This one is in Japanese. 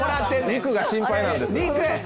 肉が心配なんです。